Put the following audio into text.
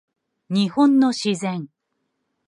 日本の自然